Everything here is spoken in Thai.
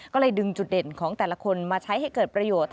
ก็เลยดึงจุดเด่นของแต่ละคนมาใช้ให้เกิดประโยชน์